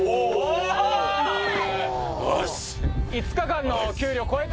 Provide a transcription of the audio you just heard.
よし！